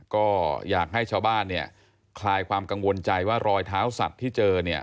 ก็อยากให้ชาวบ้านเนี่ยคลายความกังวลใจว่ารอยเท้าสัตว์ที่เจอเนี่ย